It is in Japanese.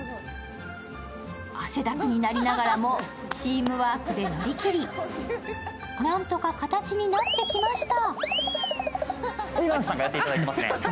汗だくになりながらもチームワークで乗り切り、何とか形になってきました。